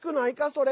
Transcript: それ。